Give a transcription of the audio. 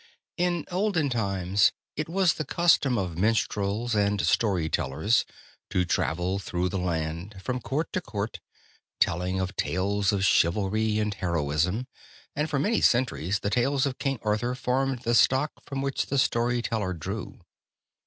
In olden times, it was the custom of minstrels and story tellers to travel through the land from court to court, telling of tales of chivalry and heroism, and for many centuries the tales of King Arthur formed the stock from which the story teller drew.